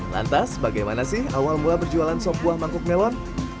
lantas bagaimana sih awal mula berjualan sop buah mangkuk melon